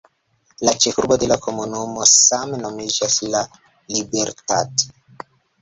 La ĉefurbo de la komunumo same nomiĝas La Libertad.